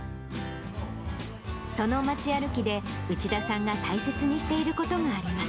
その町歩きで、内田さんが大切にしていることがあります。